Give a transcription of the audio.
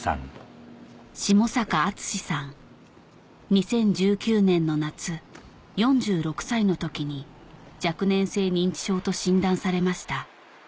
２０１９年の夏４６歳の時に若年性認知症と診断されました